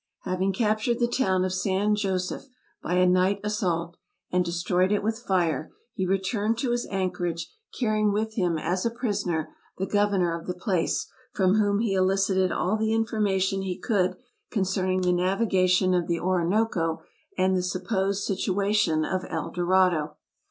Having captured the town of San Josef by a night assault, and destroyed it with fire, he returned to his anchorage, car rying with him as a prisoner the governor of the place, from whom he elicited all the information he could concerning the navigation of the Orinoco and the supposed situation of El Dorado.